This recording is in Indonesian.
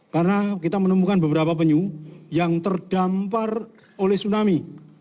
karena kita menemukan beberapa penyu yang terdampar oleh tsunami